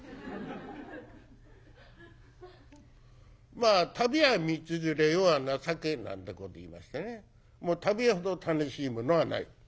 まあ「旅は道連れ世は情け」なんてこといいましてねもう旅ほど楽しいものはない。